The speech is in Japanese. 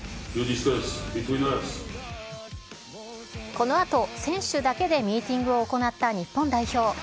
このあと選手だけでミーティングを行った日本代表。